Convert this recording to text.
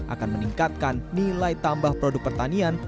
akan meningkatkan nilai tambah produk pertanian